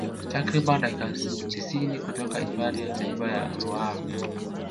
Takriban dakika tisini kutoka hifadhi ya taifa ya Ruaha